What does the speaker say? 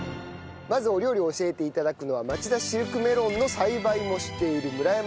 まずお料理を教えて頂くのはまちだシルクメロンの栽培もしている村山さんです。